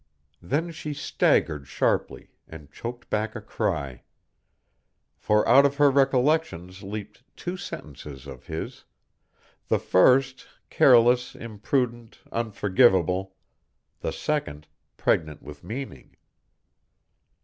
Then she staggered sharply, and choked back a cry. For out of her recollections leaped two sentences of his the first careless, imprudent, unforgivable; the second pregnant with meaning.